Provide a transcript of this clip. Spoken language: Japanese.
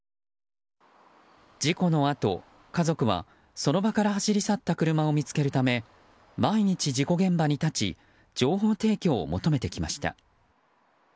事故のあと家族は、その場から走り去った車を見つけるため毎日、事故現場に立ち情報提供を求めてきました。